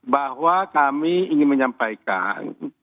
bahwa kami ingin menyampaikan